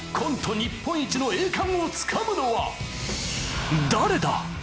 日本一の栄冠をつかむのは誰だ？